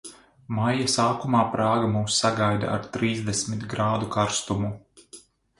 Maija sākumā Prāga mūs sagaida ar trīsdesmit grādu karstumu.